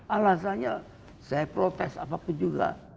alasannya saya protes apapun juga